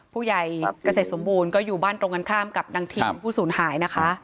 ผู้ใหญ่เกษตรสมบูรณ์ก็อยู่บ้านตรงกันข้ามกับนางทิมผู้สูญหายนะคะ